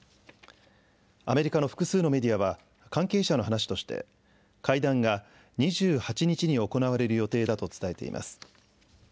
アメリカの複数のメディアは、関係者の話として、会談が２８日に行われる予定だと伝えています。